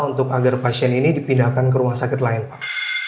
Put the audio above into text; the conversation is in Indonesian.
untuk agar pasien ini dipindahkan ke rumah sakit lain pak